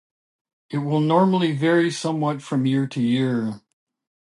It will normally vary somewhat from year to year.